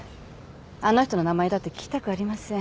あの人の名前だって聞きたくありません。